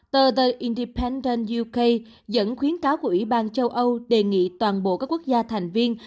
tờ the indipenden youca dẫn khuyến cáo của ủy ban châu âu đề nghị toàn bộ các quốc gia thành viên